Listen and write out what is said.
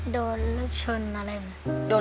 โดนรถชนอะไรมา